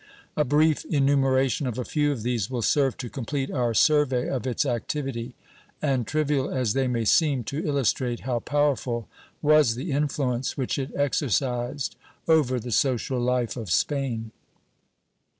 A brief enumeration of a few of these will serve to complete our survey of its activity and, trivial as they may seem, to illustrate how powerful was the influence which it exercised over the social life of Spain.